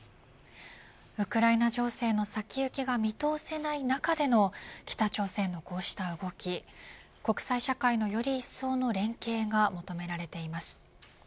ウクライナ情勢の先行きが見通せない中での北朝鮮のこうした動き国際社会のよりいっそうの連携が求められています。